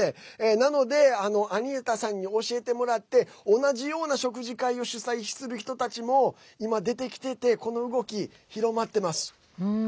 なのでアニータさんに教えてもらって同じような食事会を主催する人たちも今、出てきていてこの動き、広まってます。